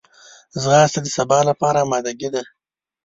ځغاسته د سبا لپاره آمادګي ده